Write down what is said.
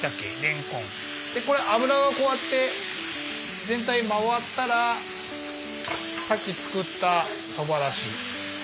でこれ油はこうやって全体回ったらさっき作ったそばだし。